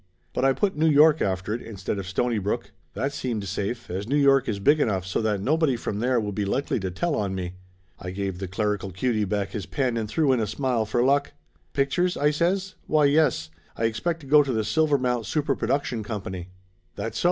But I put New York after it, instead of Stonybrook. That seemed safe, as New York is big enough so that nobody from there would be likely to tell on me. I give the clerical cutie back his pen and threw in a smile for luck. "Pictures?" I says, "Why, yes. I expect to go to the Silvermount Super Production Company." "That so?"